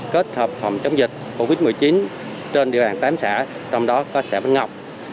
kết hợp phòng chống dịch covid một mươi chín trên địa bàn tám xã trong đó có xã vĩnh ngọc